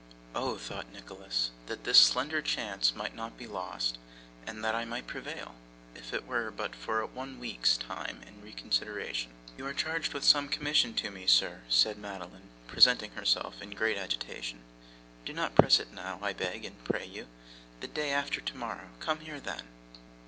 'Oh!' thought Nicholas, 'that this slender chance might not be lost, and that I might prevail, if it were but for one week's time and reconsideration!' 'You are charged with some commission to me, sir,' said Madeline, presenting herself in great agitation. 'Do not press it now, I beg and pray you. The day after tomorrow; come here then.